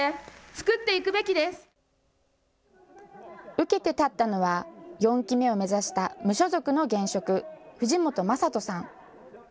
受けて立ったのは４期目を目指した無所属の現職、藤本正人さん。